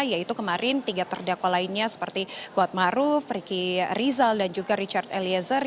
yaitu kemarin tiga terdakwa lainnya seperti kuatmaru friki rizal dan juga richard eliezer